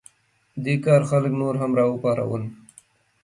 دې کار خلک نور هم راوپارول.